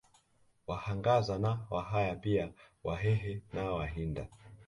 Wahangaza na Wahaya pia Wahehe na Wahinda